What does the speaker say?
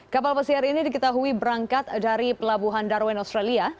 kapal pesiar ini diketahui berangkat dari pelabuhan darwin australia